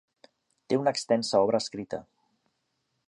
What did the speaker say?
Té una extensa obra escrita.